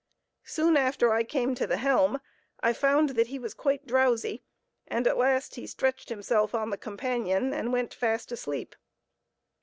Soon after I came to the helm, I found that he was quite drowsy, and at last he stretched himself on the companion and went fast asleep.